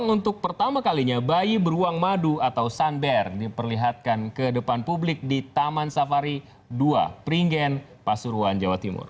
untuk pertama kalinya bayi beruang madu atau sunbare diperlihatkan ke depan publik di taman safari dua pringen pasuruan jawa timur